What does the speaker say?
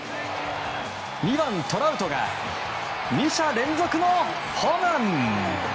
２番、トラウトが２者連続のホームラン！